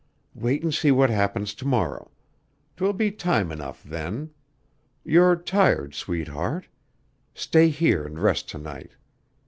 Wait an' see what happens to morrow. 'Twill be time enough then. You're tired, sweetheart. Stay here an' rest to night.